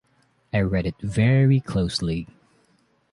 I read it very closely.